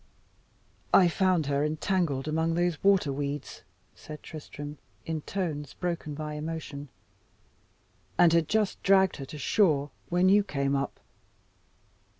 "I found her entangled among those water weeds," said Tristram, in tones broken by emotion, "and had just dragged her to shore when you came up.